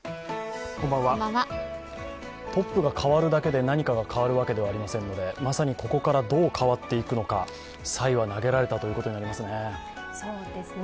トップが代わるだけで何かが変わるわけではありませんのでまさにここからどう変わっていくのかさいは投げられたということになりますね。